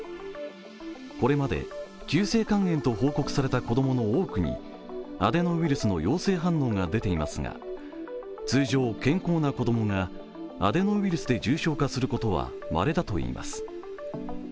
これまで急性肝炎と報告された子供の大国アデノウイルスの陽性反応が出ていますが通常、健康な子供がアデノウイルスで重症化することはまれだといいます。